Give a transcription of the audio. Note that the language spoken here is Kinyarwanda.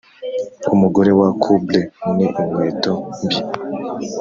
umugore wa cobbler ni inkweto mbi.